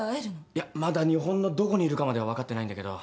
いやまだ日本のどこにいるかまでは分かってないんだけど。